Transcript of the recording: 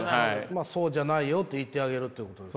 「そうじゃないよ」って言ってあげるってことですよね。